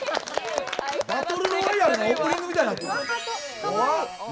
「バトル・ロワイアル」のオープニングみたいになってんで。